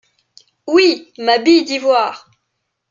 Oui ! ma bille d’ivoire !…